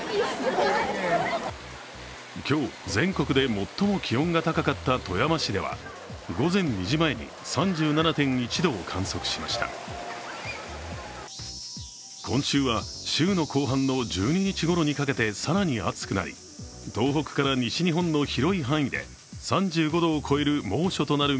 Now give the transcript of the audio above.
今日、全国で最も気温が高かった富山市では午前２時前に３７．１度を観測しました今週は、週の後半の１２日ごろにかけて更に暑くなり暑さ、まだまだ続きそうです。